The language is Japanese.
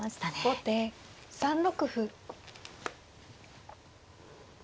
後手３六歩。